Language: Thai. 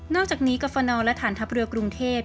อกจากนี้กรฟนและฐานทัพเรือกรุงเทพ